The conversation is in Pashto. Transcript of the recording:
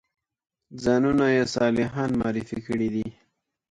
ځانونه یې صالحان معرفي کړي دي.